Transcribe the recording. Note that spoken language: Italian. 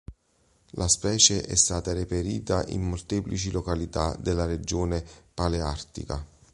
La specie è stata reperita in molteplici località della regione paleartica.